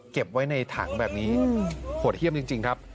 เก็บไว้ในถังแบบนี้โหดเยี่ยมจริงครับ